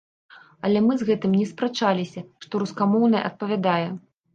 Але мы з гэтым не спрачаліся, што рускамоўная адпавядае.